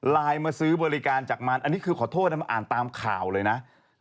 มาซื้อบริการจากมันอันนี้คือขอโทษนะมาอ่านตามข่าวเลยนะ